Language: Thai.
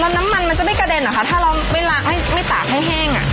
น้ำมันมันจะไม่กระเด็นเหรอคะถ้าเราไม่ล้างไม่ตากให้แห้งอ่ะ